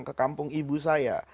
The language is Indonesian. ke kampung ibu saya